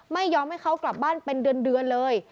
ไม่ยอมให้เขากลับบ้านเป็นเดือนเลย